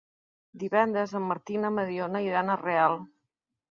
Divendres en Martí i na Mariona iran a Real.